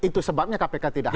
itu sebabnya kpk tidak